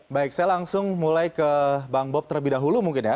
baik saya langsung mulai ke bang bob terlebih dahulu mungkin ya